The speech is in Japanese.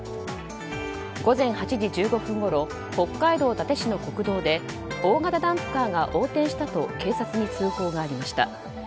午前８時１５分ごろ北海道伊達市の国道で大型ダンプカーが横転したと警察に通報がありました。